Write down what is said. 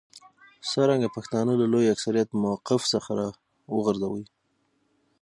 څرنګه پښتانه له لوی اکثریت موقف څخه راوغورځوي.